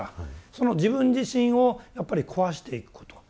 その自分自身をやっぱり壊していくこと。